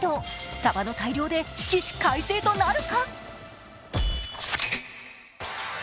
さばの大漁で起死回生となるか。